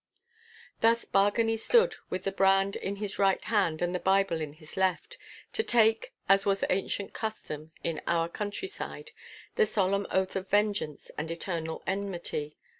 Thus Bargany stood with the brand in his right hand and the Bible in his left, to take, as was ancient custom in our countryside, the solemn oath of vengeance and eternal enmity.